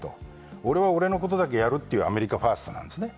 俺は俺のことだけやるというアメリカ・ファーストなんですね。